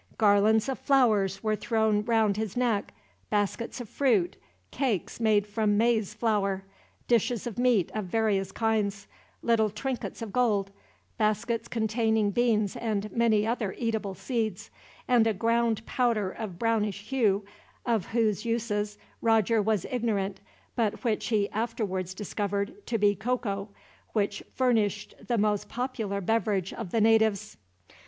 Garlands of flowers were thrown round his neck, baskets of fruit, cakes made from maize flour, dishes of meat of various kinds, little trinkets of gold, baskets containing beans and many other eatable seeds, and a ground powder of brownish hue, of whose uses Roger was ignorant, but which he afterwards discovered to be cocoa, which furnished the most popular beverage of the natives.